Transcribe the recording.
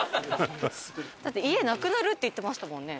だって家なくなるって言ってましたもんね